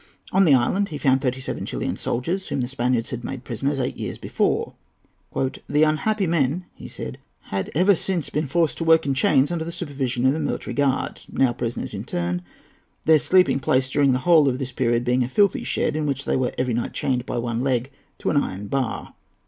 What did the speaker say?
On the island he found thirty seven Chilian soldiers, whom the Spaniards had made prisoners eight years before. "The unhappy men," he said, "had ever since been forced to work in chains under the supervision of a military guard—now prisoners in turn; their sleeping place during the whole of this period being a filthy shed, in which they were every night chained by one leg to an iron bar."